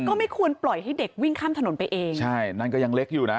ก็ไม่ควรปล่อยให้เด็กวิ่งข้ามถนนไปเองใช่นั่นก็ยังเล็กอยู่นะ